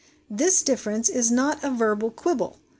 This difference is not a verbal quibble.